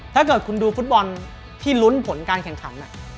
ถ้าเกิดคุณดูฟุตบอลที่ลุ้นผลการแข่งขัน